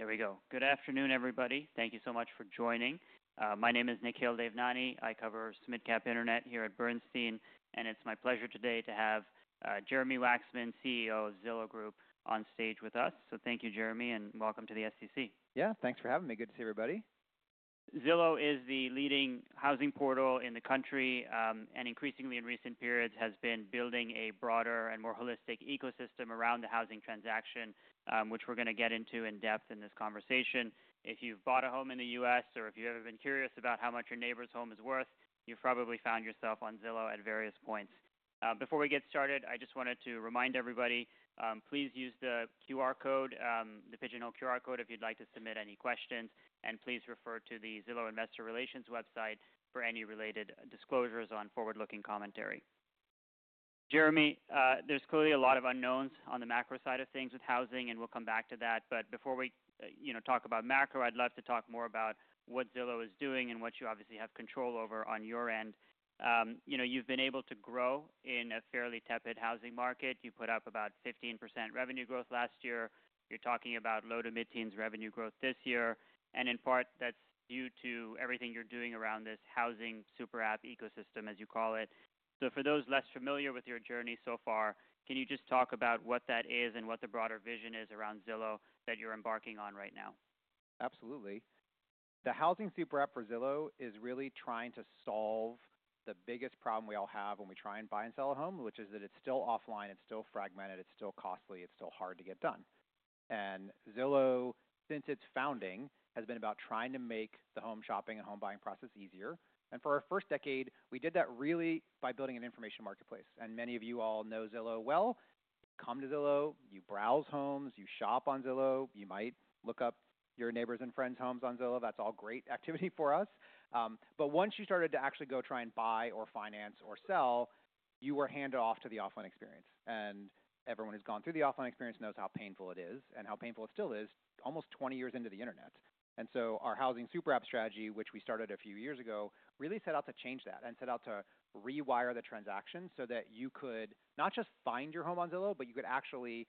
There we go. Good afternoon, everybody. Thank you so much for joining. My name is Nikhil Devnani. I cover SMIDCAP Internet here at Bernstein, and it's my pleasure today to have Jeremy Wacksman, CEO of Zillow Group, on stage with us. Thank you, Jeremy, and welcome to the SCC. Yeah, thanks for having me. Good to see everybody. Zillow is the leading housing portal in the country and, increasingly in recent periods, has been building a broader and more holistic ecosystem around the housing transaction, which we're going to get into in depth in this conversation. If you've bought a home in the U.S. or if you've ever been curious about how much your neighbor's home is worth, you've probably found yourself on Zillow at various points. Before we get started, I just wanted to remind everybody, please use the QR code, the pigeonhole QR code, if you'd like to submit any questions, and please refer to the Zillow Investor Relations website for any related disclosures on forward-looking commentary. Jeremy, there's clearly a lot of unknowns on the macro side of things with housing, and we'll come back to that. Before we talk about macro, I'd love to talk more about what Zillow is doing and what you obviously have control over on your end. You've been able to grow in a fairly tepid housing market. You put up about 15% revenue growth last year. You're talking about low to mid-teens revenue growth this year. And in part, that's due to everything you're doing around this housing super app ecosystem, as you call it. For those less familiar with your journey so far, can you just talk about what that is and what the broader vision is around Zillow that you're embarking on right now? Absolutely. The housing super app for Zillow is really trying to solve the biggest problem we all have when we try and buy and sell a home, which is that it's still offline, it's still fragmented, it's still costly, it's still hard to get done. Zillow, since its founding, has been about trying to make the home shopping and home buying process easier. For our first decade, we did that really by building an information marketplace. Many of you all know Zillow well. You come to Zillow, you browse homes, you shop on Zillow, you might look up your neighbors' and friends' homes on Zillow. That's all great activity for us. Once you started to actually go try and buy or finance or sell, you were handed off to the offline experience. Everyone who's gone through the offline experience knows how painful it is and how painful it still is almost 20 years into the internet. Our housing super app strategy, which we started a few years ago, really set out to change that and set out to rewire the transaction so that you could not just find your home on Zillow, but you could actually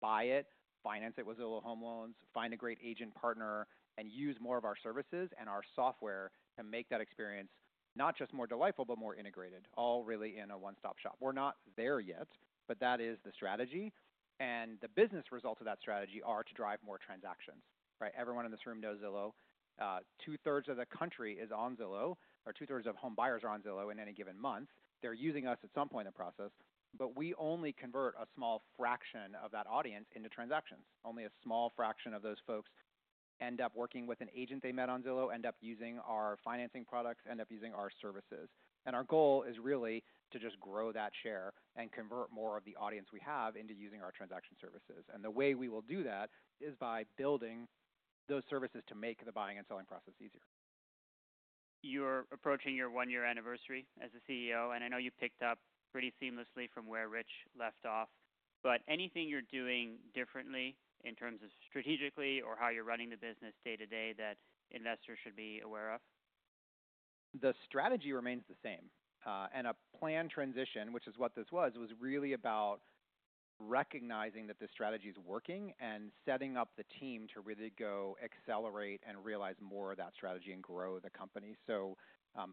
buy it, finance it with Zillow Home Loans, find a great agent partner, and use more of our services and our software to make that experience not just more delightful, but more integrated, all really in a one-stop shop. We're not there yet, but that is the strategy. The business results of that strategy are to drive more transactions. Everyone in this room knows Zillow. Two-thirds of the country is on Zillow, or two-thirds of home buyers are on Zillow in any given month. They're using us at some point in the process, but we only convert a small fraction of that audience into transactions. Only a small fraction of those folks end up working with an agent they met on Zillow, end up using our financing products, end up using our services. Our goal is really to just grow that share and convert more of the audience we have into using our transaction services. The way we will do that is by building those services to make the buying and selling process easier. You're approaching your one-year anniversary as CEO, and I know you picked up pretty seamlessly from where Rich left off, but anything you're doing differently in terms of strategically or how you're running the business day to day that investors should be aware of? The strategy remains the same. A planned transition, which is what this was, was really about recognizing that this strategy is working and setting up the team to really go accelerate and realize more of that strategy and grow the company.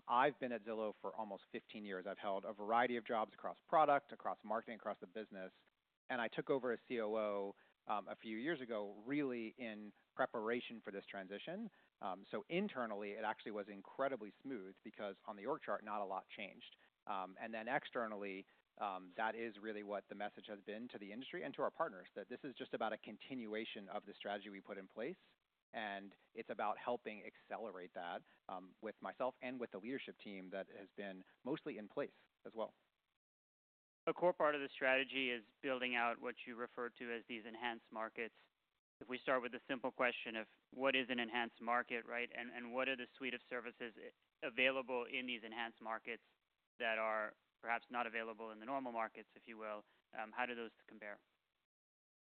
I have been at Zillow for almost 15 years. I have held a variety of jobs across product, across marketing, across the business. I took over as COO a few years ago really in preparation for this transition. Internally, it actually was incredibly smooth because on the org chart, not a lot changed. Externally, that is really what the message has been to the industry and to our partners, that this is just about a continuation of the strategy we put in place, and it is about helping accelerate that with myself and with the leadership team that has been mostly in place as well. A core part of the strategy is building out what you refer to as these enhanced markets. If we start with the simple question of what is an enhanced market right and what are the suite of services available in these enhanced markets that are perhaps not available in the normal markets, if you will, how do those compare?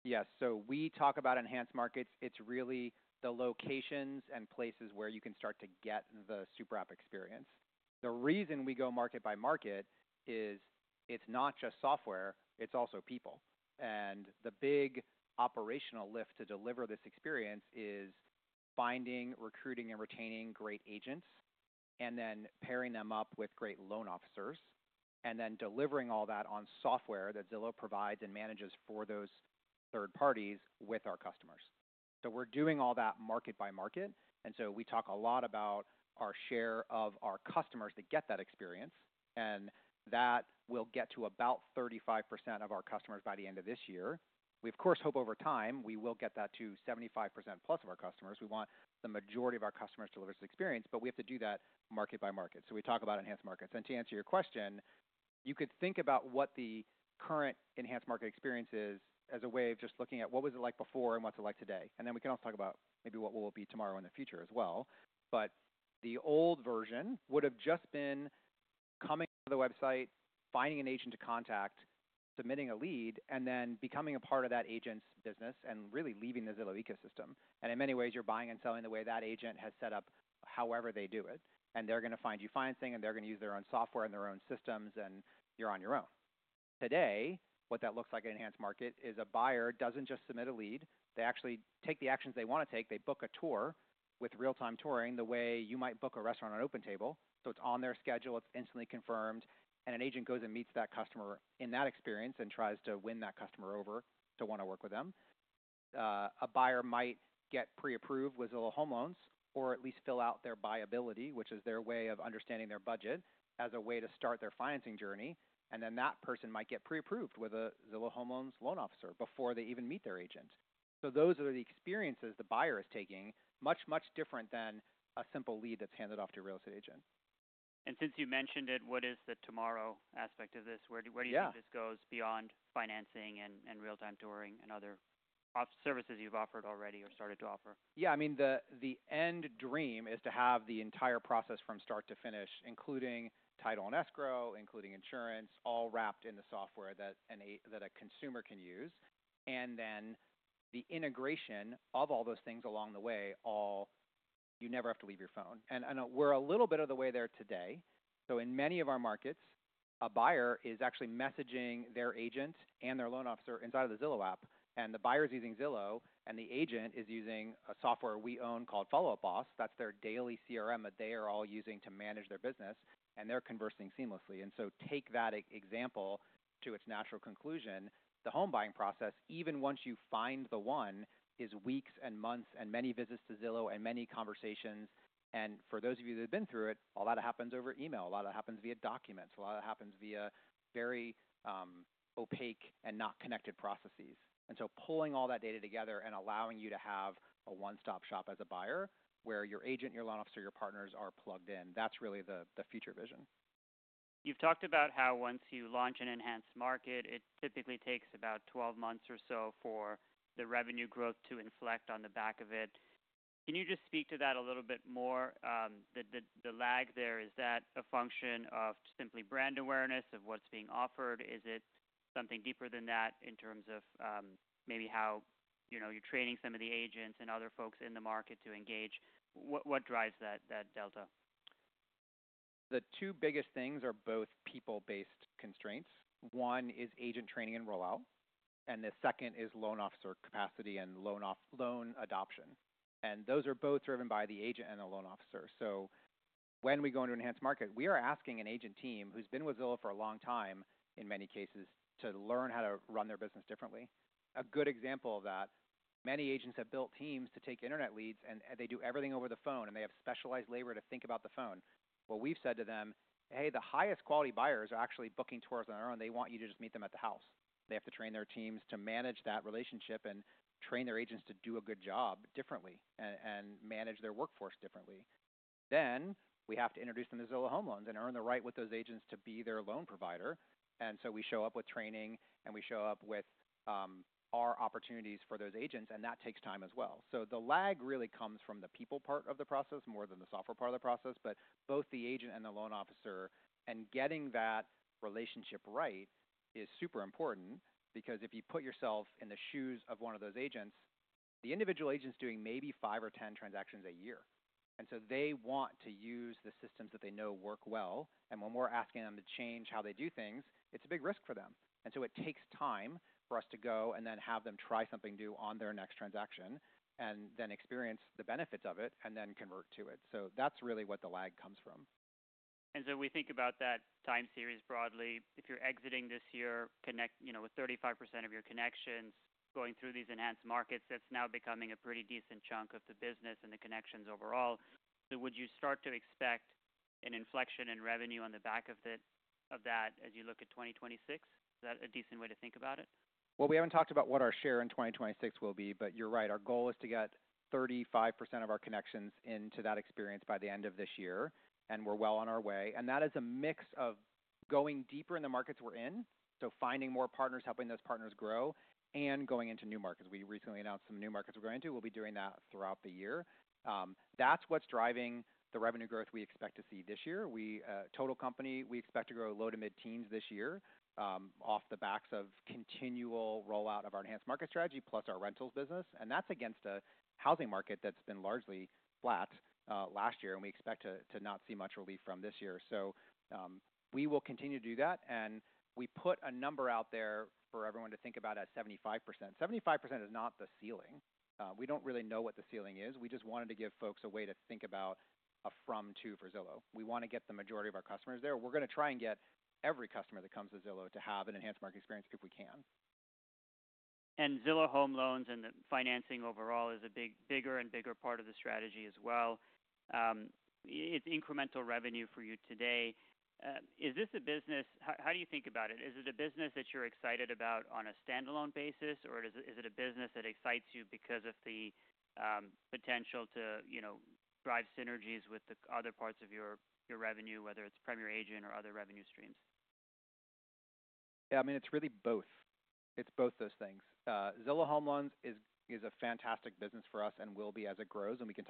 Yes. We talk about enhanced markets. It's really the locations and places where you can start to get the super app experience. The reason we go market by market is it's not just software, it's also people. The big operational lift to deliver this experience is finding, recruiting, and retaining great agents, and then pairing them up with great loan officers, and then delivering all that on software that Zillow provides and manages for those third parties with our customers. We are doing all that market by market. We talk a lot about our share of our customers that get that experience, and that will get to about 35% of our customers by the end of this year. We, of course, hope over time we will get that to 75% plus of our customers. We want the majority of our customers to live with this experience, but we have to do that market by market. We talk about enhanced markets. To answer your question, you could think about what the current enhanced market experience is as a way of just looking at what was it like before and what it is like today. We can also talk about maybe what it will be tomorrow in the future as well. The old version would have just been coming to the website, finding an agent to contact, submitting a lead, and then becoming a part of that agent's business and really leaving the Zillow ecosystem. In many ways, you are buying and selling the way that agent has set up however they do it. They're going to find you financing, and they're going to use their own software and their own systems, and you're on your own. Today, what that looks like in enhanced market is a buyer doesn't just submit a lead. They actually take the actions they want to take. They book a tour with real-time touring the way you might book a restaurant on OpenTable. It's on their schedule. It's instantly confirmed. An agent goes and meets that customer in that experience and tries to win that customer over to want to work with them. A buyer might get pre-approved with Zillow Home Loans or at least fill out their buyability, which is their way of understanding their budget, as a way to start their financing journey. That person might get pre-approved with a Zillow Home Loans loan officer before they even meet their agent. Those are the experiences the buyer is taking, much, much different than a simple lead that's handed off to a real estate agent. Since you mentioned it, what is the tomorrow aspect of this? Where do you think this goes beyond financing and real-time touring and other services you've offered already or started to offer? Yeah, I mean, the end dream is to have the entire process from start to finish, including title and escrow, including insurance, all wrapped in the software that a consumer can use. The integration of all those things along the way, you never have to leave your phone. We're a little bit of the way there today. In many of our markets, a buyer is actually messaging their agent and their loan officer inside of the Zillow app. The buyer is using Zillow, and the agent is using a software we own called Follow Up Boss. That's their daily CRM that they are all using to manage their business, and they're conversing seamlessly. Take that example to its natural conclusion. The home buying process, even once you find the one, is weeks and months and many visits to Zillow and many conversations. For those of you that have been through it, a lot of it happens over email. A lot of it happens via documents. A lot of it happens via very opaque and not connected processes. Pulling all that data together and allowing you to have a one-stop shop as a buyer where your agent, your loan officer, your partners are plugged in, that's really the future vision. You've talked about how once you launch an enhanced market, it typically takes about 12 months or so for the revenue growth to inflect on the back of it. Can you just speak to that a little bit more? The lag there, is that a function of simply brand awareness of what's being offered? Is it something deeper than that in terms of maybe how you're training some of the agents and other folks in the market to engage? What drives that delta? The two biggest things are both people-based constraints. One is agent training and rollout, and the second is loan officer capacity and loan adoption. Those are both driven by the agent and the loan officer. When we go into enhanced market, we are asking an agent team who's been with Zillow for a long time, in many cases, to learn how to run their business differently. A good example of that, many agents have built teams to take internet leads, and they do everything over the phone, and they have specialized labor to think about the phone. We've said to them, "Hey, the highest quality buyers are actually booking tours on their own. They want you to just meet them at the house. They have to train their teams to manage that relationship and train their agents to do a good job differently and manage their workforce differently. Then we have to introduce them to Zillow Home Loans and earn the right with those agents to be their loan provider. We show up with training, and we show up with our opportunities for those agents, and that takes time as well. The lag really comes from the people part of the process more than the software part of the process, but both the agent and the loan officer, and getting that relationship right is super important because if you put yourself in the shoes of one of those agents, the individual agent's doing maybe five or ten transactions a year. They want to use the systems that they know work well. When we're asking them to change how they do things, it's a big risk for them. It takes time for us to go and then have them try something new on their next transaction and then experience the benefits of it and then convert to it. That's really what the lag comes from. We think about that time series broadly. If you're exiting this year with 35% of your connections going through these enhanced markets, that's now becoming a pretty decent chunk of the business and the connections overall. Would you start to expect an inflection in revenue on the back of that as you look at 2026? Is that a decent way to think about it? We have not talked about what our share in 2026 will be, but you are right. Our goal is to get 35% of our connections into that experience by the end of this year, and we are well on our way. That is a mix of going deeper in the markets we are in, so finding more partners, helping those partners grow, and going into new markets. We recently announced some new markets we are going to. We will be doing that throughout the year. That is what is driving the revenue growth we expect to see this year. Total company, we expect to grow low to mid-teens this year off the backs of continual rollout of our enhanced market strategy plus our rentals business. That is against a housing market that has been largely flat last year, and we expect to not see much relief from this year. We will continue to do that. We put a number out there for everyone to think about as 75%. 75% is not the ceiling. We do not really know what the ceiling is. We just wanted to give folks a way to think about a from to for Zillow. We want to get the majority of our customers there. We are going to try and get every customer that comes to Zillow to have an enhanced market experience if we can. Zillow Home Loans and the financing overall is a bigger and bigger part of the strategy as well. It's incremental revenue for you today. Is this a business? How do you think about it? Is it a business that you're excited about on a standalone basis, or is it a business that excites you because of the potential to drive synergies with the other parts of your revenue, whether it's Premier Agent or other revenue streams? Yeah, I mean, it's really both. It's both those things. Zillow Home Loans is a fantastic business for us and will be as it grows, and we can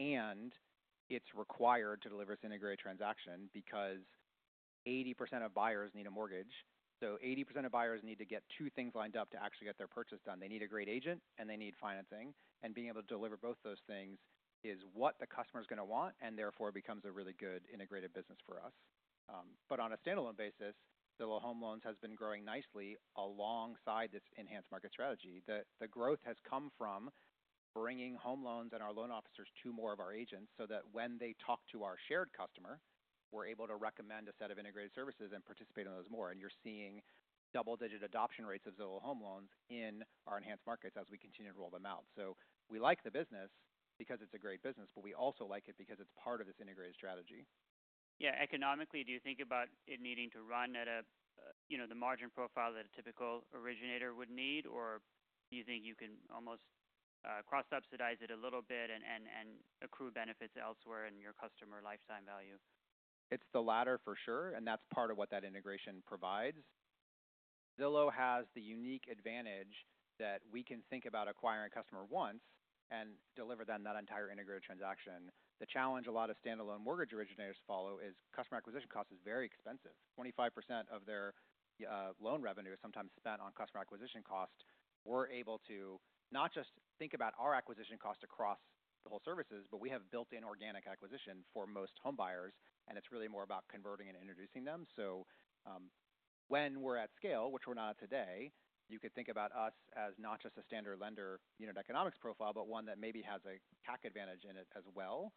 talk about that. It's required to deliver this integrated transaction because 80% of buyers need a mortgage. So 80% of buyers need to get two things lined up to actually get their purchase done. They need a great agent, and they need financing. Being able to deliver both those things is what the customer is going to want, and therefore it becomes a really good integrated business for us. On a standalone basis, Zillow Home Loans has been growing nicely alongside this enhanced market strategy. The growth has come from bringing home loans and our loan officers to more of our agents so that when they talk to our shared customer, we're able to recommend a set of integrated services and participate in those more. You're seeing double-digit adoption rates of Zillow Home Loans in our enhanced markets as we continue to roll them out. We like the business because it's a great business, but we also like it because it's part of this integrated strategy. Yeah. Economically, do you think about it needing to run at the margin profile that a typical originator would need, or do you think you can almost cross-subsidize it a little bit and accrue benefits elsewhere in your customer lifetime value? It's the latter for sure, and that's part of what that integration provides. Zillow has the unique advantage that we can think about acquiring a customer once and deliver them that entire integrated transaction. The challenge a lot of standalone mortgage originators follow is customer acquisition cost is very expensive. 25% of their loan revenue is sometimes spent on customer acquisition cost. We're able to not just think about our acquisition cost across the whole services, but we have built-in organic acquisition for most home buyers, and it's really more about converting and introducing them. When we're at scale, which we're not at today, you could think about us as not just a standard lender unit economics profile, but one that maybe has a CAC advantage in it as well.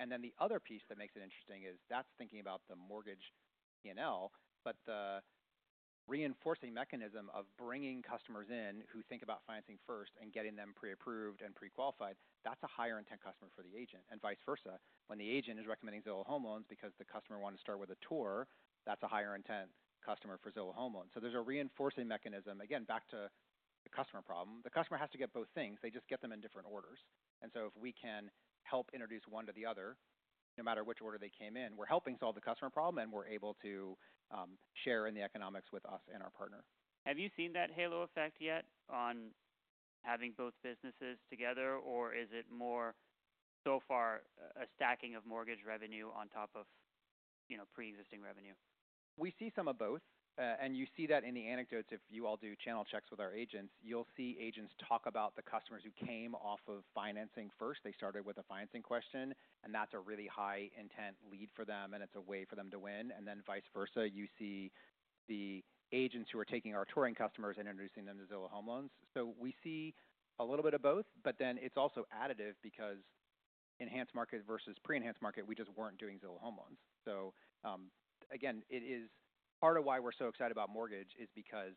The other piece that makes it interesting is that's thinking about the mortgage P&L, but the reinforcing mechanism of bringing customers in who think about financing first and getting them pre-approved and pre-qualified, that's a higher intent customer for the agent. Vice versa, when the agent is recommending Zillow Home Loans because the customer wants to start with a tour, that's a higher intent customer for Zillow Home Loans. There is a reinforcing mechanism, again, back to the customer problem. The customer has to get both things. They just get them in different orders. If we can help introduce one to the other, no matter which order they came in, we're helping solve the customer problem, and we're able to share in the economics with us and our partner. Have you seen that halo effect yet on having both businesses together, or is it more so far a stacking of mortgage revenue on top of pre-existing revenue? We see some of both. You see that in the anecdotes. If you all do channel checks with our agents, you'll see agents talk about the customers who came off of financing first. They started with a financing question, and that's a really high intent lead for them, and it's a way for them to win. Vice versa, you see the agents who are taking our touring customers and introducing them to Zillow Home Loans. We see a little bit of both, but then it's also additive because enhanced market versus pre-enhanced market, we just weren't doing Zillow Home Loans. Again, it is part of why we're so excited about mortgage is because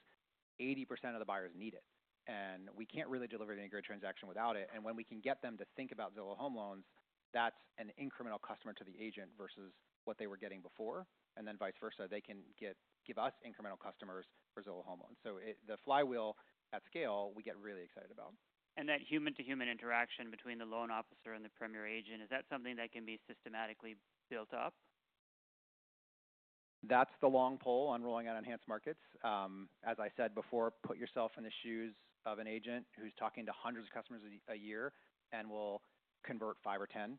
80% of the buyers need it, and we can't really deliver the integrated transaction without it. When we can get them to think about Zillow Home Loans, that's an incremental customer to the agent versus what they were getting before. Vice versa, they can give us incremental customers for Zillow Home Loans. The flywheel at scale, we get really excited about. That human-to-human interaction between the loan officer and the Premier Agent, is that something that can be systematically built up? That's the long pole on rolling out enhanced markets. As I said before, put yourself in the shoes of an agent who's talking to hundreds of customers a year and will convert five or ten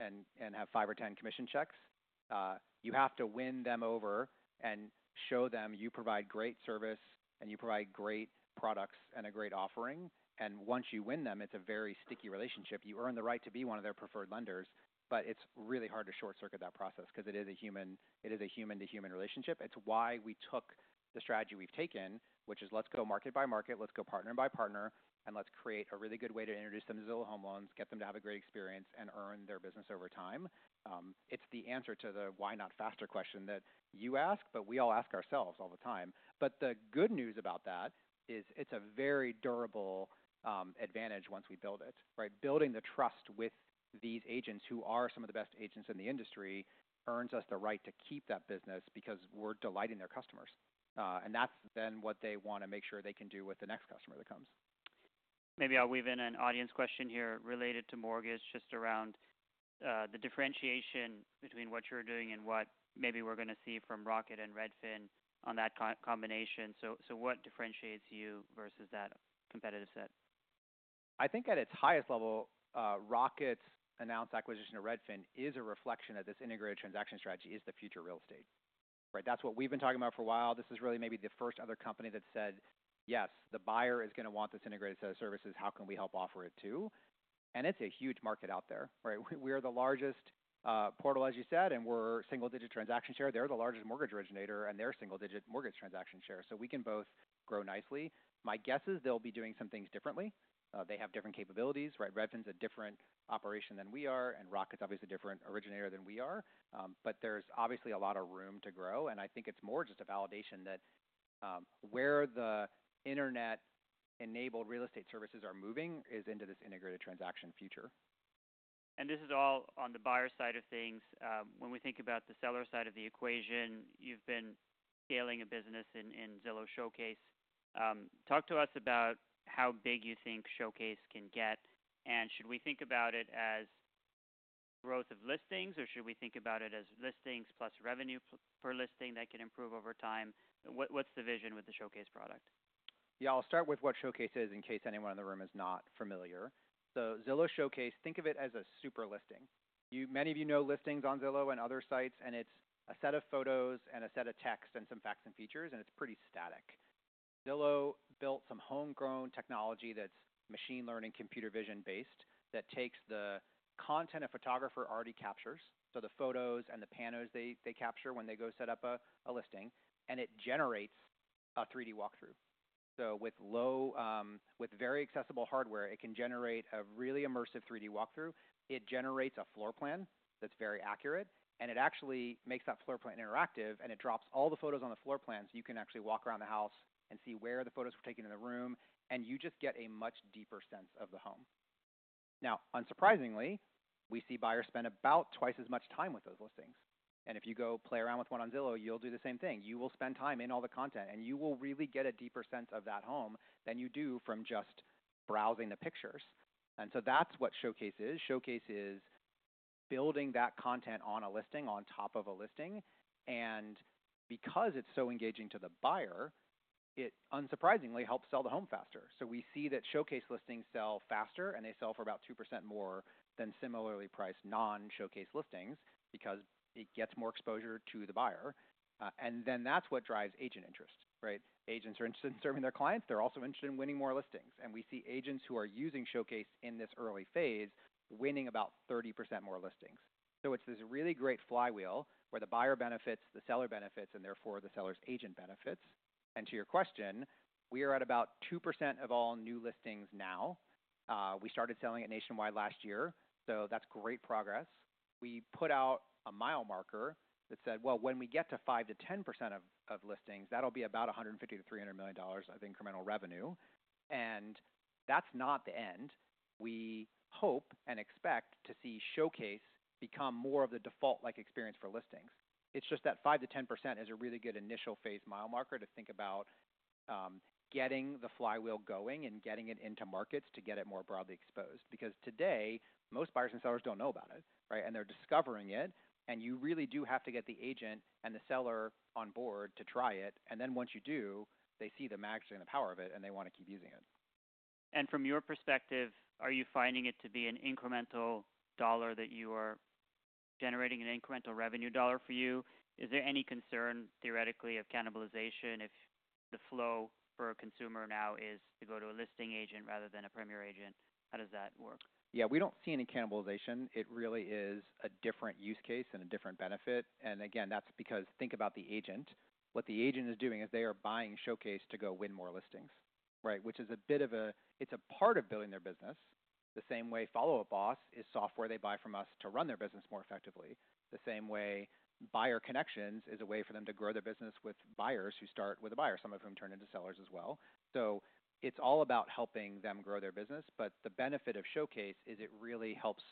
and have five or ten commission checks. You have to win them over and show them you provide great service and you provide great products and a great offering. Once you win them, it's a very sticky relationship. You earn the right to be one of their preferred lenders, but it's really hard to short-circuit that process because it is a human-to-human relationship. It's why we took the strategy we've taken, which is let's go market by market, let's go partner by partner, and let's create a really good way to introduce them to Zillow Home Loans, get them to have a great experience, and earn their business over time. It's the answer to the why not faster question that you ask, but we all ask ourselves all the time. The good news about that is it's a very durable advantage once we build it, right? Building the trust with these agents who are some of the best agents in the industry earns us the right to keep that business because we're delighting their customers. That's then what they want to make sure they can do with the next customer that comes. Maybe I'll weave in an audience question here related to mortgage, just around the differentiation between what you're doing and what maybe we're going to see from Rocket and Redfin on that combination. What differentiates you versus that competitive set? I think at its highest level, Rocket's announced acquisition of Redfin is a reflection that this integrated transaction strategy is the future of real estate, right? That's what we've been talking about for a while. This is really maybe the first other company that said, "Yes, the buyer is going to want this integrated set of services. How can we help offer it too?" It's a huge market out there, right? We are the largest portal, as you said, and we're single-digit transaction share. They're the largest mortgage originator, and they're single-digit mortgage transaction share. We can both grow nicely. My guess is they'll be doing some things differently. They have different capabilities, right? Redfin's a different operation than we are, and Rocket's obviously a different originator than we are. There's obviously a lot of room to grow. I think it's more just a validation that where the internet-enabled real estate services are moving is into this integrated transaction future. This is all on the buyer side of things. When we think about the seller side of the equation, you've been scaling a business in Zillow Showcase. Talk to us about how big you think Showcase can get. Should we think about it as growth of listings, or should we think about it as listings plus revenue per listing that can improve over time? What is the vision with the Showcase product? Yeah, I'll start with what Showcase is in case anyone in the room is not familiar. Zillow Showcase, think of it as a super listing. Many of you know listings on Zillow and other sites, and it's a set of photos and a set of text and some facts and features, and it's pretty static. Zillow built some homegrown technology that's machine learning, computer vision-based that takes the content a photographer already captures, so the photos and the panos they capture when they go set up a listing, and it generates a 3D walkthrough. With very accessible hardware, it can generate a really immersive 3D walkthrough. It generates a floor plan that's very accurate, and it actually makes that floor plan interactive, and it drops all the photos on the floor plan so you can actually walk around the house and see where the photos were taken in the room, and you just get a much deeper sense of the home. Now, unsurprisingly, we see buyers spend about twice as much time with those listings. If you go play around with one on Zillow, you'll do the same thing. You will spend time in all the content, and you will really get a deeper sense of that home than you do from just browsing the pictures. That's what Showcase is. Showcase is building that content on a listing on top of a listing. Because it's so engaging to the buyer, it unsurprisingly helps sell the home faster. We see that Showcase listings sell faster, and they sell for about 2% more than similarly priced non-Showcase listings because it gets more exposure to the buyer. That is what drives agent interest, right? Agents are interested in serving their clients. They're also interested in winning more listings. We see agents who are using Showcase in this early phase winning about 30% more listings. It is this really great flywheel where the buyer benefits, the seller benefits, and therefore the seller's agent benefits. To your question, we are at about 2% of all new listings now. We started selling it nationwide last year, so that is great progress. We put out a mile marker that said, "When we get to 5-10% of listings, that'll be about $150 million-$300 million of incremental revenue." That is not the end. We hope and expect to see Showcase become more of the default-like experience for listings. It's just that 5-10% is a really good initial phase mile marker to think about getting the flywheel going and getting it into markets to get it more broadly exposed. Because today, most buyers and sellers don't know about it, right? They're discovering it. You really do have to get the agent and the seller on board to try it. Once you do, they see the magic and the power of it, and they want to keep using it. From your perspective, are you finding it to be an incremental dollar that you are generating, an incremental revenue dollar for you? Is there any concern theoretically of cannibalization if the flow for a consumer now is to go to a listing agent rather than a Premier Agent? How does that work? Yeah, we do not see any cannibalization. It really is a different use case and a different benefit. Again, that is because think about the agent. What the agent is doing is they are buying Showcase to go win more listings, right? Which is a bit of a, it is a part of building their business. The same way Follow Up Boss is software they buy from us to run their business more effectively. The same way Buyer Connections is a way for them to grow their business with buyers who start with a buyer, some of whom turn into sellers as well. It is all about helping them grow their business. The benefit of Showcase is it really helps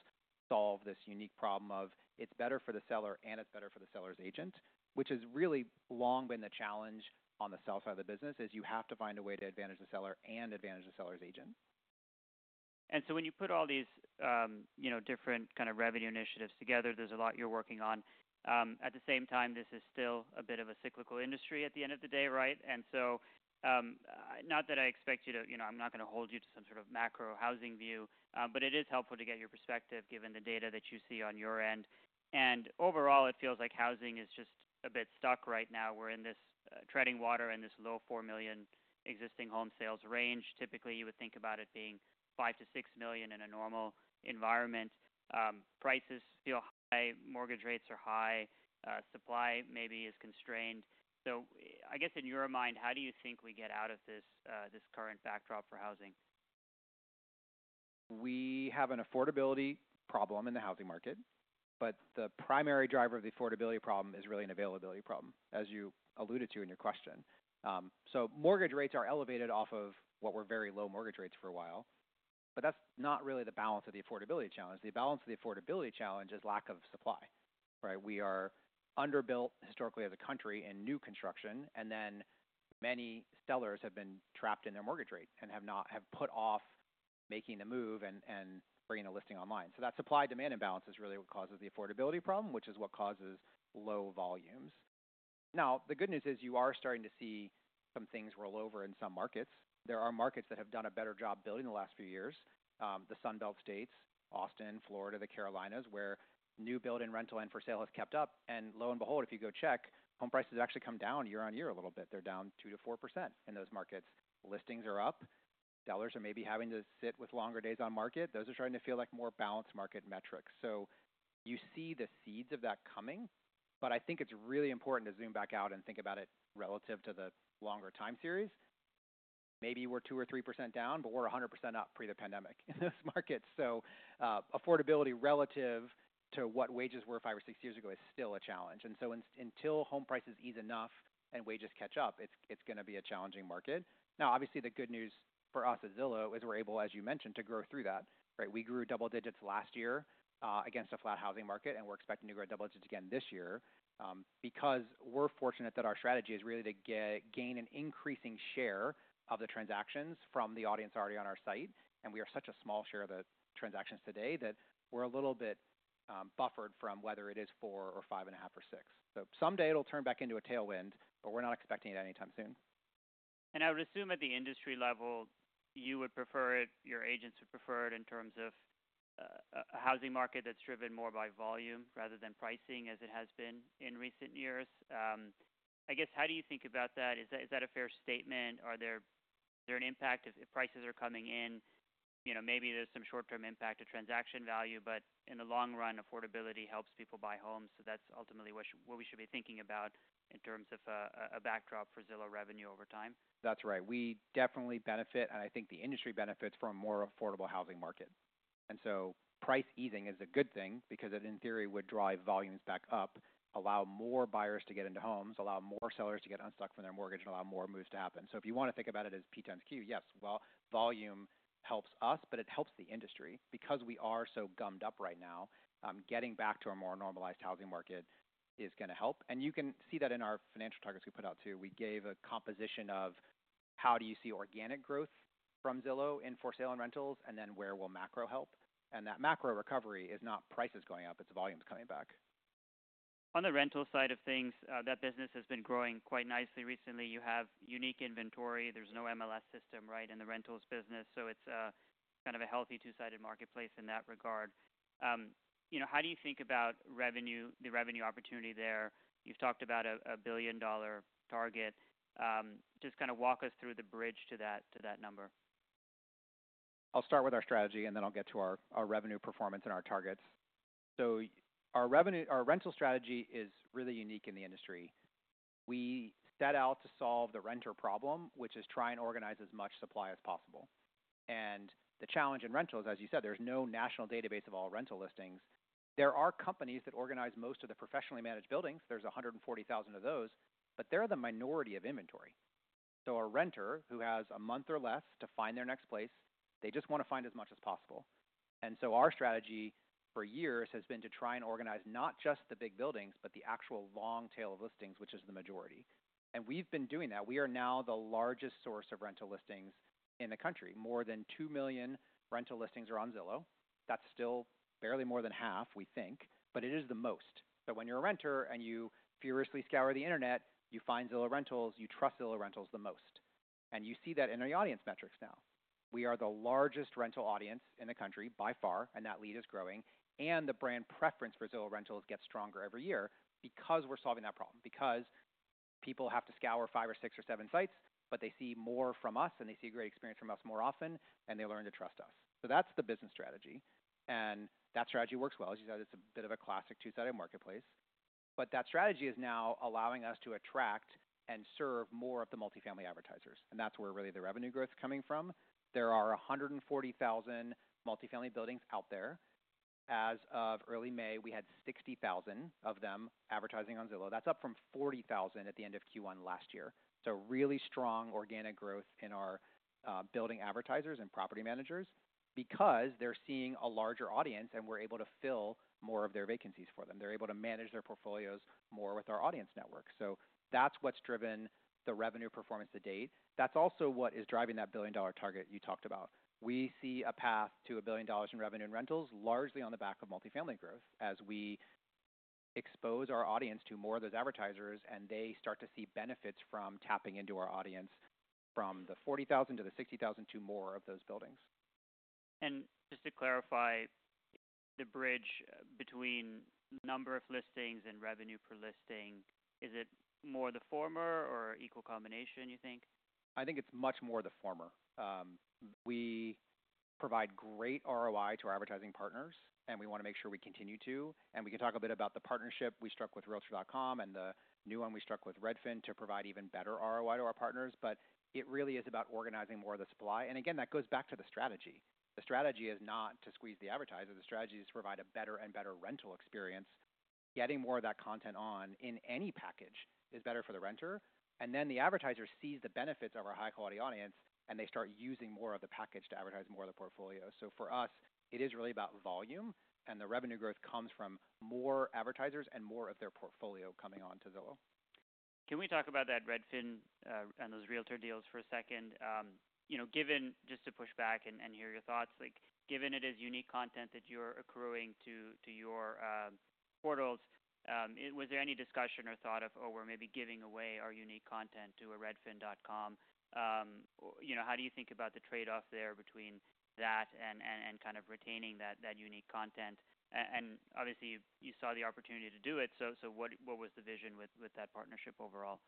solve this unique problem of it's better for the seller and it's better for the seller's agent, which has really long been the challenge on the sell side of the business. You have to find a way to advantage the seller and advantage the seller's agent. When you put all these different kind of revenue initiatives together, there's a lot you're working on. At the same time, this is still a bit of a cyclical industry at the end of the day, right? Not that I expect you to, I'm not going to hold you to some sort of macro housing view, but it is helpful to get your perspective given the data that you see on your end. Overall, it feels like housing is just a bit stuck right now. We're in this treading water in this low 4 million existing home sales range. Typically, you would think about it being 5-6 million in a normal environment. Prices feel high, mortgage rates are high, supply maybe is constrained. I guess in your mind, how do you think we get out of this current backdrop for housing? We have an affordability problem in the housing market, but the primary driver of the affordability problem is really an availability problem, as you alluded to in your question. Mortgage rates are elevated off of what were very low mortgage rates for a while, but that's not really the balance of the affordability challenge. The balance of the affordability challenge is lack of supply, right? We are underbuilt historically as a country in new construction, and then many sellers have been trapped in their mortgage rate and have put off making the move and bringing a listing online. That supply-demand imbalance is really what causes the affordability problem, which is what causes low volumes. Now, the good news is you are starting to see some things roll over in some markets. There are markets that have done a better job building the last few years, the Sunbelt states, Austin, Florida, the Carolinas, where new build and rental and for sale has kept up. Lo and behold, if you go check, home prices have actually come down year on year a little bit. They are down 2-4% in those markets. Listings are up. Sellers are maybe having to sit with longer days on market. Those are starting to feel like more balanced market metrics. You see the seeds of that coming, but I think it is really important to zoom back out and think about it relative to the longer time series. Maybe we are 2 or 3% down, but we are 100% up pre the pandemic in those markets. Affordability relative to what wages were five or six years ago is still a challenge. Until home prices ease enough and wages catch up, it's going to be a challenging market. Now, obviously, the good news for us at Zillow is we're able, as you mentioned, to grow through that, right? We grew double digits last year against a flat housing market, and we're expecting to grow double digits again this year because we're fortunate that our strategy is really to gain an increasing share of the transactions from the audience already on our site. We are such a small share of the transactions today that we're a little bit buffered from whether it is four or five and a half or six. Someday it'll turn back into a tailwind, but we're not expecting it anytime soon. I would assume at the industry level, you would prefer it, your agents would prefer it in terms of a housing market that is driven more by volume rather than pricing as it has been in recent years. I guess, how do you think about that? Is that a fair statement? Is there an impact if prices are coming in? Maybe there is some short-term impact to transaction value, but in the long run, affordability helps people buy homes. That is ultimately what we should be thinking about in terms of a backdrop for Zillow revenue over time. That's right. We definitely benefit, and I think the industry benefits from a more affordable housing market. Price easing is a good thing because it, in theory, would drive volumes back up, allow more buyers to get into homes, allow more sellers to get unstuck from their mortgage, and allow more moves to happen. If you want to think about it as P times Q, yes, volume helps us, but it helps the industry because we are so gummed up right now. Getting back to a more normalized housing market is going to help. You can see that in our financial targets we put out too. We gave a composition of how do you see organic growth from Zillow in for sale and rentals, and then where will macro help? That macro recovery is not prices going up, it's volumes coming back. On the rental side of things, that business has been growing quite nicely recently. You have unique inventory. There's no MLS system, right, in the rentals business. It is kind of a healthy two-sided marketplace in that regard. How do you think about the revenue opportunity there? You've talked about a billion-dollar target. Just kind of walk us through the bridge to that number. I'll start with our strategy, and then I'll get to our revenue performance and our targets. Our rental strategy is really unique in the industry. We set out to solve the renter problem, which is try and organize as much supply as possible. The challenge in rentals, as you said, is there's no national database of all rental listings. There are companies that organize most of the professionally managed buildings. There are 140,000 of those, but they're the minority of inventory. A renter who has a month or less to find their next place just wants to find as much as possible. Our strategy for years has been to try and organize not just the big buildings, but the actual long tail of listings, which is the majority. We've been doing that. We are now the largest source of rental listings in the country. More than 2 million rental listings are on Zillow. That's still barely more than half, we think, but it is the most. When you're a renter and you furiously scour the internet, you find Zillow Rentals, you trust Zillow Rentals the most. You see that in our audience metrics now. We are the largest rental audience in the country by far, and that lead is growing. The brand preference for Zillow Rentals gets stronger every year because we're solving that problem. People have to scour five or six or seven sites, but they see more from us, and they see a great experience from us more often, and they learn to trust us. That is the business strategy. That strategy works well. As you said, it's a bit of a classic two-sided marketplace. That strategy is now allowing us to attract and serve more of the multifamily advertisers. That is where really the revenue growth is coming from. There are 140,000 multifamily buildings out there. As of early May, we had 60,000 of them advertising on Zillow. That is up from 40,000 at the end of Q1 last year. Really strong organic growth in our building advertisers and property managers because they are seeing a larger audience and we are able to fill more of their vacancies for them. They are able to manage their portfolios more with our audience network. So that's what has driven the revenue performance to date. That is also what is driving that billion-dollar target you talked about. We see a path to a billion dollars in revenue in rentals largely on the back of multifamily growth as we expose our audience to more of those advertisers and they start to see benefits from tapping into our audience from the 40,000 to the 60,000 to more of those buildings. Just to clarify, the bridge between number of listings and revenue per listing, is it more the former or equal combination, you think? I think it's much more the former. We provide great ROI to our advertising partners, and we want to make sure we continue to. We can talk a bit about the partnership we struck with Realtor.com and the new one we struck with Redfin to provide even better ROI to our partners. It really is about organizing more of the supply. That goes back to the strategy. The strategy is not to squeeze the advertiser. The strategy is to provide a better and better rental experience. Getting more of that content on in any package is better for the renter. The advertiser sees the benefits of our high-quality audience and they start using more of the package to advertise more of the portfolio. For us, it is really about volume. The revenue growth comes from more advertisers and more of their portfolio coming on to Zillow. Can we talk about that Redfin and those Realtor.com deals for a second? Just to push back and hear your thoughts, given it is unique content that you're accruing to your portals, was there any discussion or thought of, "Oh, we're maybe giving away our unique content to a Redfin.com"? How do you think about the trade-off there between that and kind of retaining that unique content? Obviously, you saw the opportunity to do it. What was the vision with that partnership overall?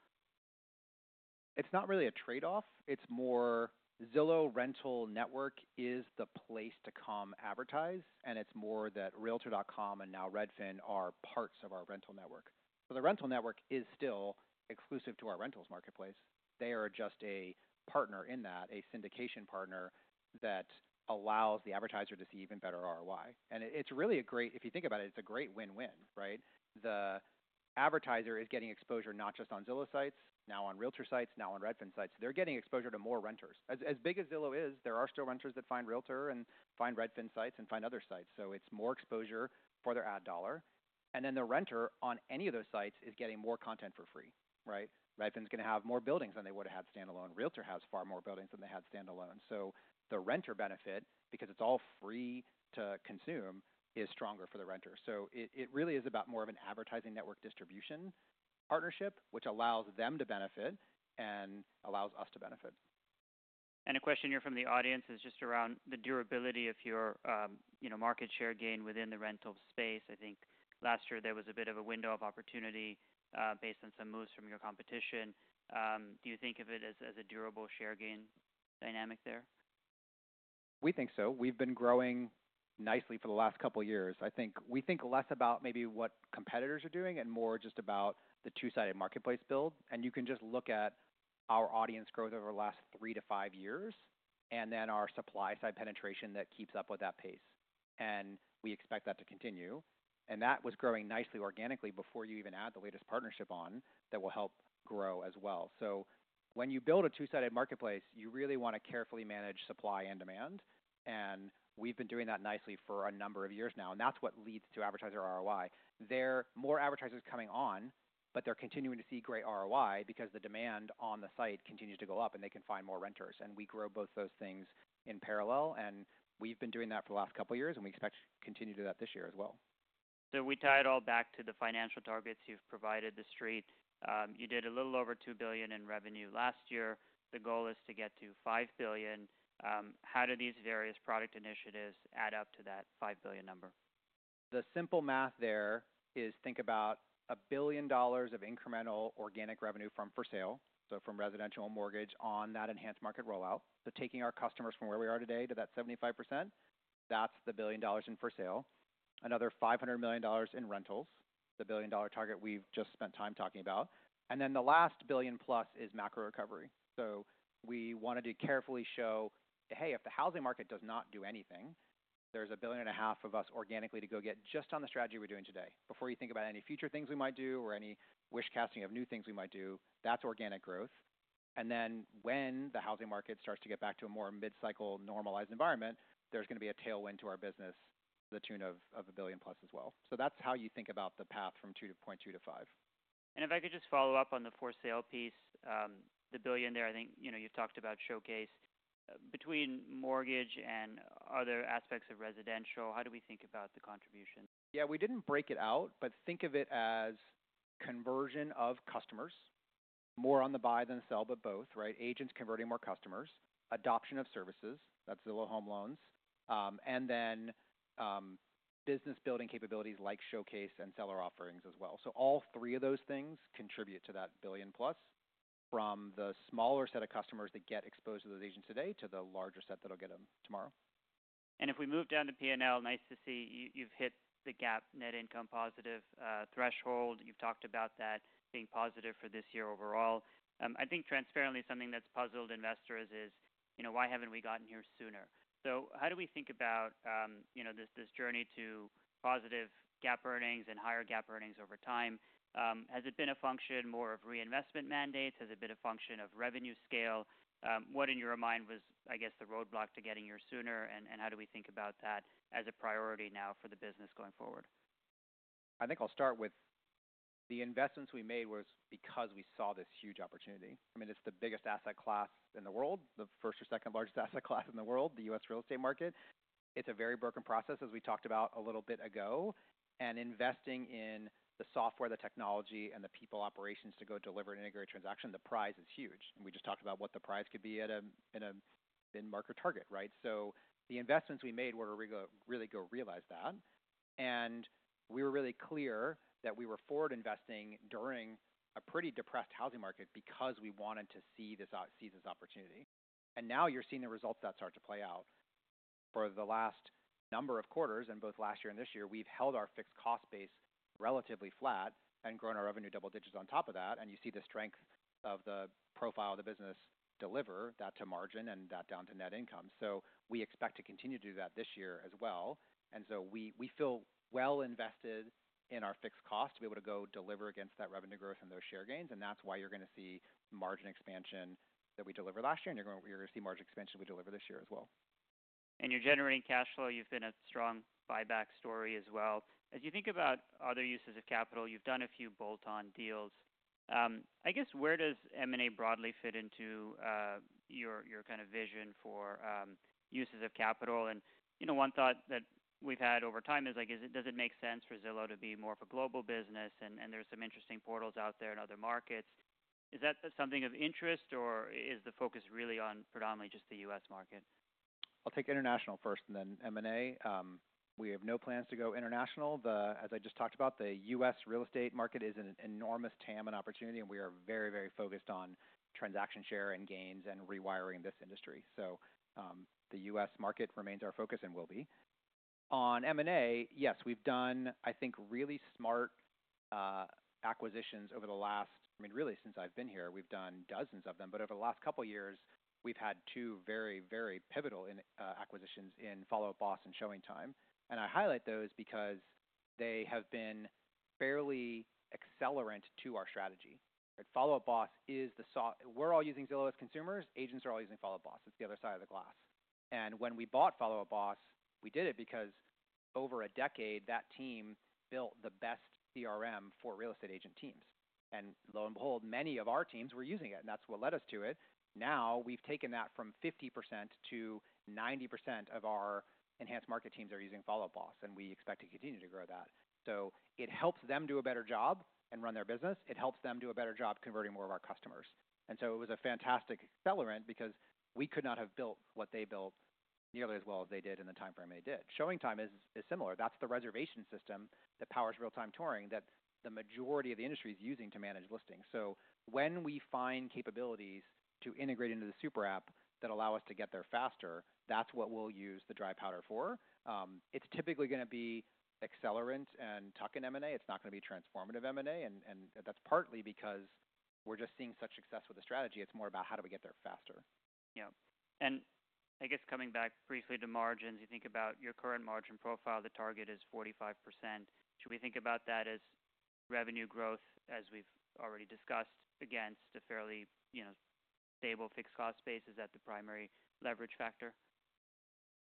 It's not really a trade-off. It's more Zillow Rental Network is the place to come advertise. It's more that Realtor.com and now Redfin are parts of our rental network. The rental network is still exclusive to our rentals marketplace. They are just a partner in that, a syndication partner that allows the advertiser to see even better ROI. It's really a great, if you think about it, it's a great win-win, right? The advertiser is getting exposure not just on Zillow sites, now on Realtor sites, now on Redfin sites. They're getting exposure to more renters. As big as Zillow is, there are still renters that find Realtor and find Redfin sites and find other sites. It's more exposure for their ad dollar. The renter on any of those sites is getting more content for free, right? Redfin's going to have more buildings than they would have had standalone. Realtor.com has far more buildings than they had standalone. The renter benefit, because it's all free to consume, is stronger for the renter. It really is about more of an advertising network distribution partnership, which allows them to benefit and allows us to benefit. A question here from the audience is just around the durability of your market share gain within the rental space. I think last year there was a bit of a window of opportunity based on some moves from your competition. Do you think of it as a durable share gain dynamic there? We think so. We've been growing nicely for the last couple of years. I think we think less about maybe what competitors are doing and more just about the two-sided marketplace build. You can just look at our audience growth over the last three to five years and then our supply side penetration that keeps up with that pace. We expect that to continue. That was growing nicely organically before you even add the latest partnership on that will help grow as well. When you build a two-sided marketplace, you really want to carefully manage supply and demand. We've been doing that nicely for a number of years now. That's what leads to advertiser ROI. There are more advertisers coming on, but they're continuing to see great ROI because the demand on the site continues to go up and they can find more renters. We grow both those things in parallel. We have been doing that for the last couple of years and we expect to continue to do that this year as well. We tie it all back to the financial targets you've provided the street. You did a little over $2 billion in revenue last year. The goal is to get to $5 billion. How do these various product initiatives add up to that $5 billion number? The simple math there is think about a billion dollars of incremental organic revenue from for sale, so from residential and mortgage on that enhanced market rollout. Taking our customers from where we are today to that 75%, that's the billion dollars in for sale. Another $500 million in rentals, the billion-dollar target we've just spent time talking about. The last billion plus is macro recovery. We wanted to carefully show, "Hey, if the housing market does not do anything, there's a billion and a half of us organically to go get just on the strategy we're doing today." Before you think about any future things we might do or any wish casting of new things we might do, that's organic growth. When the housing market starts to get back to a more mid-cycle normalized environment, there is going to be a tailwind to our business to the tune of a billion plus as well. That is how you think about the path from $2.2 billion to $5 billion. If I could just follow up on the for sale piece, the billion there, I think you've talked about Showcase. Between mortgage and other aspects of residential, how do we think about the contribution? Yeah, we didn't break it out, but think of it as conversion of customers, more on the buy than the sell, but both, right? Agents converting more customers, adoption of services, that's Zillow Home Loans, and then business building capabilities like Showcase and seller offerings as well. So all three of those things contribute to that billion plus from the smaller set of customers that get exposed to those agents today to the larger set that'll get them tomorrow. If we move down to P&L, nice to see you've hit the GAAP net income positive threshold. You've talked about that being positive for this year overall. I think transparently something that's puzzled investors is, "Why haven't we gotten here sooner?" How do we think about this journey to positive GAAP earnings and higher GAAP earnings over time? Has it been a function more of reinvestment mandates? Has it been a function of revenue scale? What in your mind was, I guess, the roadblock to getting here sooner? How do we think about that as a priority now for the business going forward? I think I'll start with the investments we made was because we saw this huge opportunity. I mean, it's the biggest asset class in the world, the first or second largest asset class in the world, the U.S. real estate market. It's a very broken process, as we talked about a little bi t ago. Investing in the software, the technology, and the people operations to go deliver and integrate a transaction, the prize is huge. We just talked about what the prize could be at a mid-market target, right? The investments we made were to really go realize that. We were really clear that we were forward investing during a pretty depressed housing market because we wanted to see this opportunity. Now you're seeing the results that start to play out. For the last number of quarters, in both last year and this year, we've held our fixed cost base relatively flat and grown our revenue double digits on top of that. You see the strength of the profile of the business deliver that to margin and that down to net income. We expect to continue to do that this year as well. We feel well invested in our fixed cost to be able to go deliver against that revenue growth and those share gains. That is why you're going to see margin expansion that we delivered last year. You're going to see margin expansion we delivered this year as well. You're generating cash flow. You've been a strong buyback story as well. As you think about other uses of capital, you've done a few bolt-on deals. I guess where does M&A broadly fit into your kind of vision for uses of capital? One thought that we've had over time is, does it make sense for Zillow to be more of a global business? There are some interesting portals out there in other markets. Is that something of interest or is the focus really on predominantly just the U.S. market? I'll take international first and then M&A. We have no plans to go international. As I just talked about, the U.S. real estate market is an enormous TAM and opportunity. We are very, very focused on transaction share and gains and rewiring this industry. The U.S. market remains our focus and will be. On M&A, yes, we've done, I think, really smart acquisitions over the last, I mean, really since I've been here, we've done dozens of them. Over the last couple of years, we've had two very, very pivotal acquisitions in Follow Up Boss and ShowingTime. I highlight those because they have been fairly accelerant to our strategy. Follow Up Boss is the, we're all using Zillow as consumers. Agents are all using Follow Up Boss. It's the other side of the glass. When we bought Follow Up Boss, we did it because over a decade, that team built the best CRM for real estate agent teams. Lo and behold, many of our teams were using it. That is what led us to it. Now we have taken that from 50% to 90% of our enhanced market teams are using Follow Up Boss. We expect to continue to grow that. It helps them do a better job and run their business. It helps them do a better job converting more of our customers. It was a fantastic accelerant because we could not have built what they built nearly as well as they did in the timeframe they did. ShowingTime is similar. That is the reservation system that powers real-time touring that the majority of the industry is using to manage listings. When we find capabilities to integrate into the super app that allow us to get there faster, that's what we'll use the dry powder for. It's typically going to be accelerant and tuck in M&A. It's not going to be transformative M&A. That's partly because we're just seeing such success with the strategy. It's more about how d o we get there faster. Yeah. And I guess coming back briefly to margins, you think about your current margin profile, the target is 45%. Should we think about that as revenue growth, as we've already discussed, against a fairly stable fixed cost base, is that the primary leverage factor?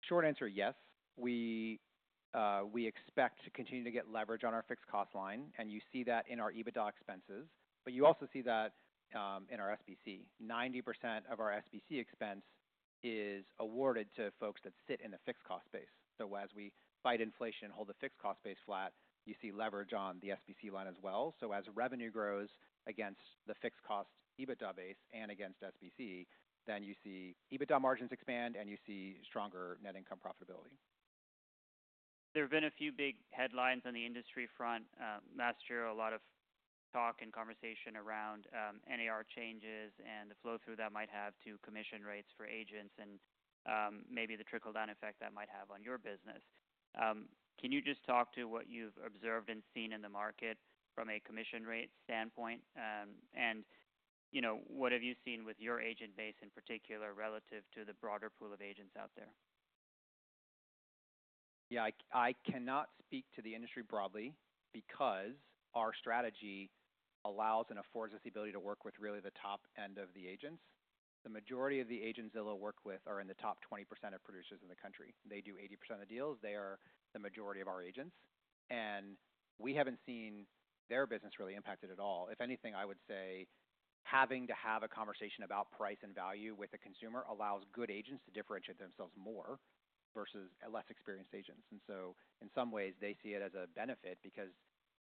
Short answer, yes. We expect to continue to get leverage on our fixed cost line. You see that in our EBITDA expenses. You also see that in our SBC. 90% of our SBC expense is awarded to folks that sit in the fixed cost base. As we fight inflation and hold the fixed cost base flat, you see leverage on the SBC line as well. As revenue grows against the fixed cost EBITDA base and against SBC, you see EBITDA margins expand and you see stronger net income profitability. There have been a few big headlines on the industry front. Last year, a lot of talk and conversation around NAR changes and the flow through that might have to commission rates for agents and maybe the trickle-down effect that might have on your business. Can you just talk to what you've observed and seen in the market from a commission rate standpoint? What have you seen with your agent base in particular relative to the broader pool of agents out there? Yeah, I cannot speak to the industry broadly because our strategy allows and affords us the ability to work with really the top end of the agents. The majority of the agents Zillow works with are in the top 20% of producers in the country. They do 80% of the deals. They are the majority of our agents. We have not seen their business really impacted at all. If anything, I would say having to have a conversation about price and value with a consumer allows good agents to differentiate themselves more versus less experienced agents. In some ways, they see it as a benefit because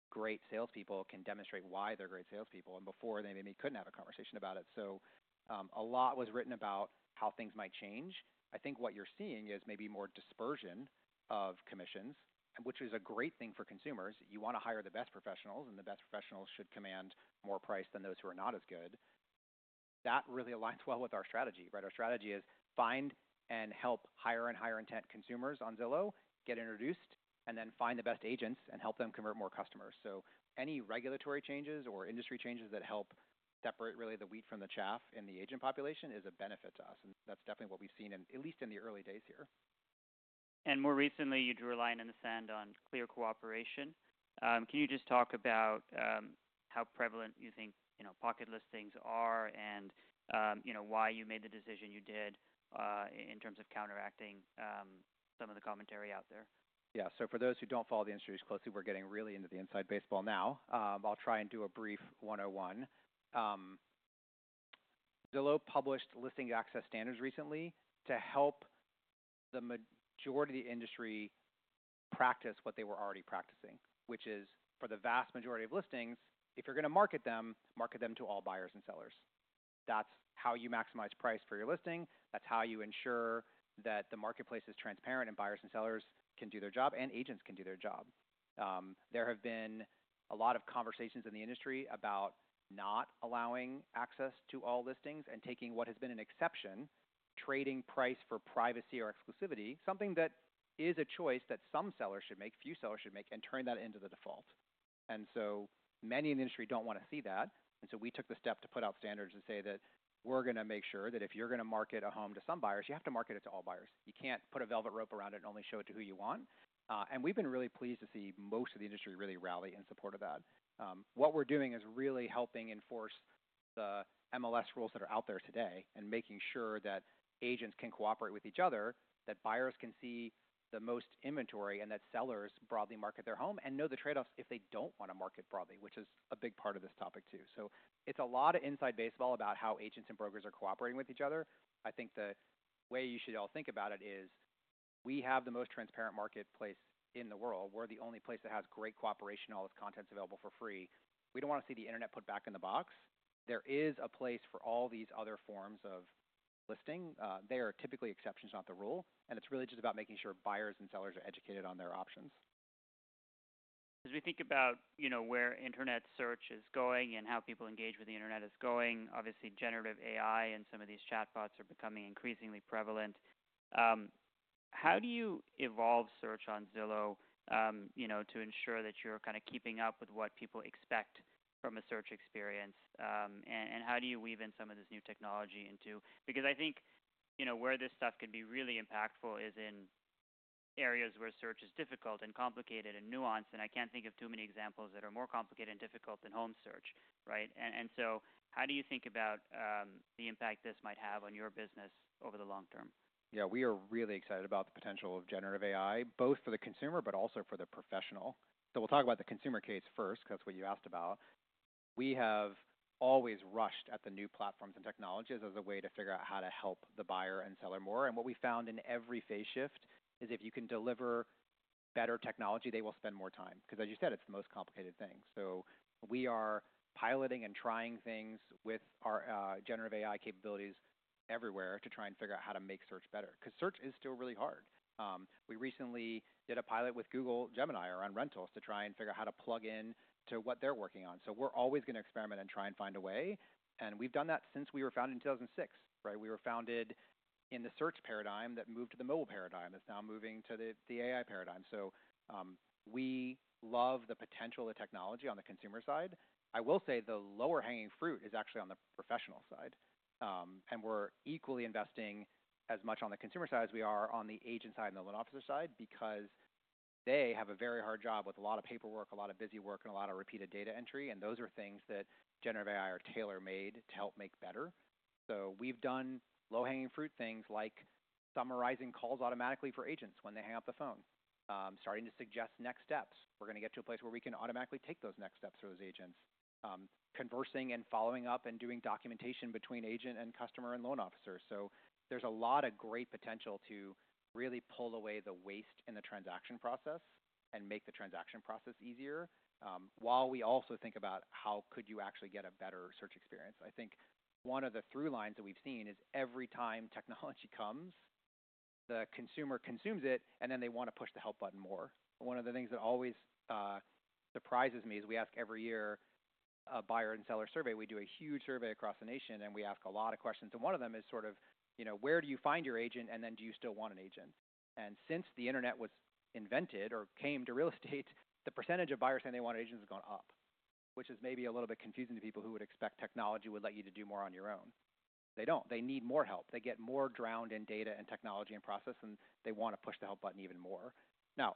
great salespeople can demonstrate why they are great salespeople. Before, they maybe could not have a conversation about it. A lot was written about how things might change. I think what you're seeing is maybe more dispersion of commissions, which is a great thing for consumers. You want to hire the best professionals, and the best professionals should command more price than those who are not as good. That really aligns well with our strategy, right? Our strategy is find and help higher and higher intent consumers on Zillow, get introduced, and then find the best agents and help them convert more customers. Any regulatory changes or industry changes that help separate really the wheat from the chaff in the agent population is a benefit to us. That is definitely what we've seen, at least in the early days here. More recently, you drew a line in the sand on clear cooperation. Can you just talk about how prevalent you think pocket listings are and why you made the decision you did in terms of counteracting some of the commentary out there? Yeah. For those who don't follow the industry closely, we're getting really into the inside baseball now. I'll try and do a brief 101. Zillow published listing access standards recently to help the majority of the industry practice what they were already practicing, which is for the vast majority of listings, if you're going to market them, market them to all buyers and sellers. That's how you maximize price for your listing. That's how you ensure that the marketplace is transparent and buyers and sellers can do their job and agents can do their job. There have been a lot of conversations in the industry about not allowing access to all listings and taking what has been an exception, trading price for privacy or exclusivity, something that is a choice that some sellers should make, few sellers should make, and turn that into the default. Many in the industry do not want to see that. We took the step to put out standards and say that we are going to make sure that if you are going to market a home to some buyers, you have to market it to all buyers. You cannot put a velvet rope around it and only show it to who you want. We have been really pleased to see most of the industry really rally in support of that. What we are doing is really helping enforce the MLS rules that are out there today and making sure that agents can cooperate with each other, that buyers can see the most inventory, and that sellers broadly market their home and know the trade-offs if they do not want to market broadly, which is a big part of this topic too. It's a lot of inside baseball about how agents and brokers are cooperating with each other. I think the way you should all think about it is we have the most transparent marketplace in the world. We're the only place that has great cooperation and all this content's available for free. We don't want to see the internet put back in the box. There is a place for all these other forms of listing. They are typically exceptions, not the rule. It's really just about making sure buyers and sellers are educated on their options. As we think about where internet search is going and how people engage with the internet is going, obviously generative AI and some of these chatbots are becoming increasingly prevalent. How do you evolve search on Zillow to ensure that you're kind of keeping up with what people expect from a search experience? How do you weave in some of this new technology into? Because I think where this stuff can be really impactful is in areas where search is difficult and complicated and nuanced. I can't think of too many examples that are more complicated and difficult than home search, right? How do you think about the impact this might have on your business over the long term? Yeah, we are really excited about the potential of generative AI, both for the consumer, but also for the professional. We will talk about the consumer case first because that's what you asked about. We have always rushed at the new platforms and technologies as a way to figure out how to help the buyer and seller more. What we found in every phase shift is if you can deliver better technology, they will spend more time. Because as you said, it's the most complicated thing. We are piloting and trying things with our generative AI capabilities everywhere to try and figure out how to make search better. Because search is still really hard. We recently did a pilot with Google Gemini around rentals to try and figure out how to plug in to what they're working on. We're always going to experiment and try and find a way. We've done that since we were founded in 2006, right? We were founded in the search paradigm that moved to the mobile paradigm that's now moving to the AI paradigm. We love the potential of technology on the consumer side. I will say the lower hanging fruit is actually on the professional side. We're equally investing as much on the consumer side as we are on the agent side and the loan officer side because they have a very hard job with a lot of paperwork, a lot of busy work, and a lot of repeated data entry. Those are things that generative AI are tailor-made to help make better. We've done low-hanging fruit things like summarizing calls automatically for agents when they hang up the phone, starting to suggest next steps. We're going to get to a place where we can automatically take those next steps for those agents, conversing and following up and doing documentation between agent and customer and loan officer. There is a lot of great potential to really pull away the waste in the transaction process and make the transaction process easier while we also think about how could you actually get a better search experience. I think one of the through lines that we've seen is every time technology comes, the consumer consumes it, and then they want to push the help button more. One of the things that always surprises me is we ask every year a buyer and seller survey. We do a huge survey across the nation, and we ask a lot of questions. One of them is sort of, where do you find your agent, and then do you still want an agent? Since the internet was invented or came to real estate, the % of buyers saying they want agents has gone up, which is maybe a little bit confusing to people who would expect technology would let you do more on your own. They do not. They need more help. They get more drowned in data and technology and process, and they want to push the help button even more.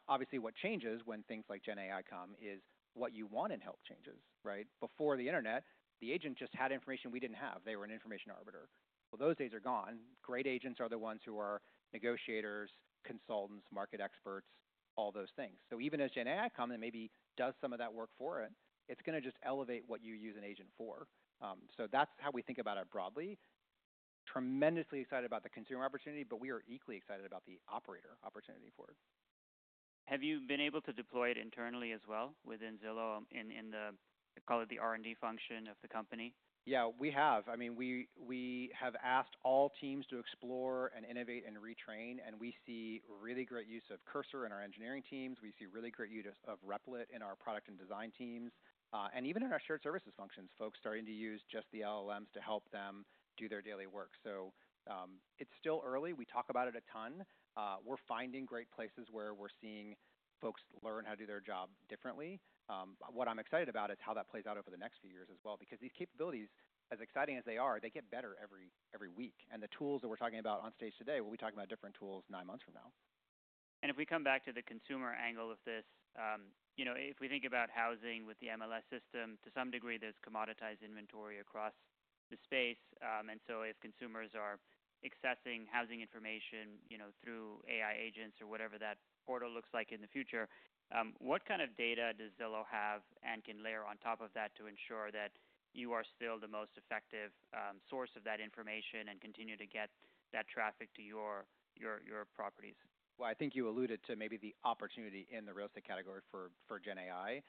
Obviously, what changes when things like Gen AI come is what you want in help changes, right? Before the internet, the agent just had information we did not have. They were an information arbiter. Those days are gone. Great agents are the ones who are negotiators, consultants, market experts, all those things. Even as Gen AI comes and maybe does some of that work for it, it's going to just elevate what you use an agent for. That's how we think about it broadly. We're tremendously excited about the consumer opportunity, but we are equally excited about the operator opportunity for it. Have you been able to deploy it internally as well within Zillow in the, call it the R&D function of the company? Yeah, we have. I mean, we have asked all teams to explore and innovate and retrain. We see really great use of Cursor in our engineering teams. We see really great use of Replit in our product and design teams. Even in our shared services functions, folks starting to use just the LLMs to help them do their daily work. It is still early. We talk about it a ton. We are finding great places where we are seeing folks learn how to do their job differently. What I am excited about is how that plays out over the next few years as well. Because these capabilities, as exciting as they are, they get better every week. The tools that we are talking about on stage today, we will be talking about different tools nine months from now. If we come back to the consumer angle of this, if we think about housing with the MLS system, to some degree, there is commoditized inventory across the space. If consumers are accessing housing information through AI agents or whatever that portal looks like in the future, what kind of data does Zillow have and can layer on top of that to ensure that you are still the most effective source of that information and continue to get that traffic to your properties? I think you alluded to maybe the opportunity in the real estate category for Gen AI.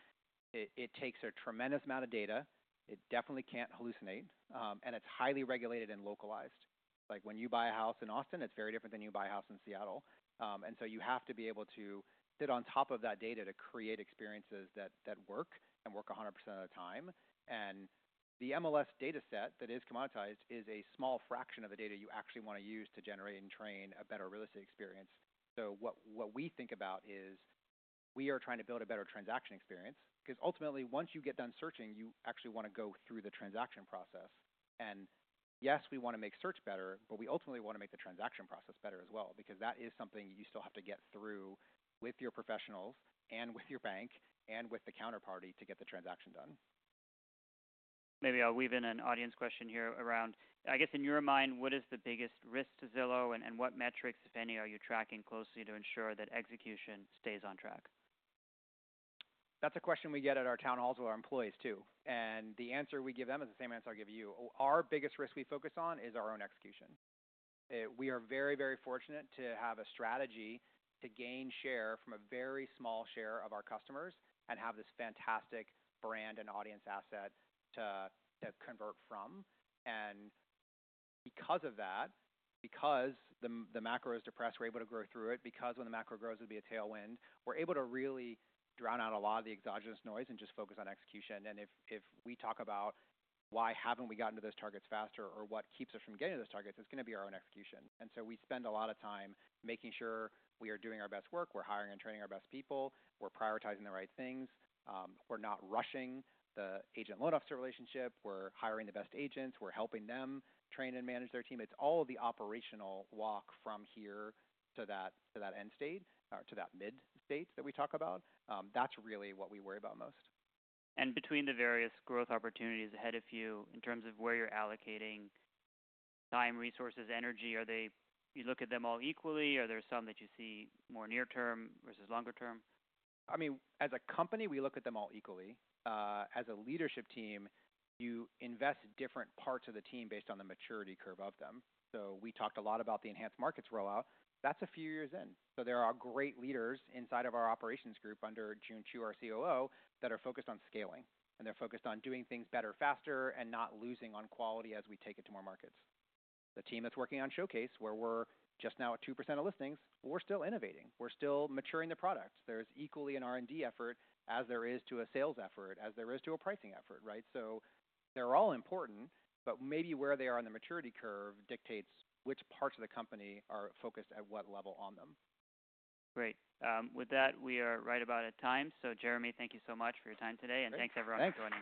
It takes a tremendous amount of data. It definitely can't hallucinate. It is highly regulated and localized. Like when you buy a house in Austin, it is very different than when you buy a house in Seattle. You have to be able to sit on top of that data to create experiences that work and work 100% of the time. The MLS data set that is commoditized is a small fraction of the data you actually want to use to generate and train a better real estate experience. What we think about is we are trying to build a better transaction experience. Because ultimately, once you get done searching, you actually want to go through the transaction process. Yes, we want to make search better, but we ultimately want to make the transaction process better as well. Because that is something you still have to get through with your professionals and with your bank and with the counterparty to get the transaction done. Maybe I'll weave in an audience question here around, I guess in your mind, what is the biggest risk to Zillow and what metrics, if any, are you tracking closely to ensure that execution stays on track? That's a question we get at our town halls with our employees too. The answer we give them is the same answer I give you. Our biggest risk we focus on is our own execution. We are very, very fortunate to have a strategy to gain share from a very small share of our customers and have this fantastic brand and audience asset to convert from. Because of that, because the macro is depressed, we're able to grow through it. When the macro grows, it'll be a tailwind. We're able to really drown out a lot of the exogenous noise and just focus on execution. If we talk about why haven't we gotten to those targets faster or what keeps us from getting to those targets, it's going to be our own execution. We spend a lot of time making sure we are doing our best work. We're hiring and training our best people. We're prioritizing the right things. We're not rushing the agent-loan officer relationship. We're hiring the best agents. We're helping them train and manage their team. It's all the operational walk from here to that end state or to that mid state that we talk about. That's really what we worry about most. Between the various growth opportunities ahead of you in terms of where you're allocating time, resources, energy, do you look at them all equally or are there some that you see more near-term versus longer-term? I mean, as a company, we look at them all equally. As a leadership team, you invest different parts of the team based on the maturity curve of them. We talked a lot about the enhanced markets rollout. That is a few years in. There are great leaders inside of our operations group under Jun Chew, our COO, that are focused on scaling. They are focused on doing things better, faster, and not losing on quality as we take it to more markets. The team that is working on Showcase, where we are just now at 2% of listings, we are still innovating. We are still maturing the product. There is equally an R&D effort as there is to a sales effort, as there is to a pricing effort, right? They're all important, but maybe where they are on the maturity curve dictates which parts of the company are focused at what level on them. Great. With that, we are right about at time. Jeremy, thank you so much for your time today. Thanks everyone for joining.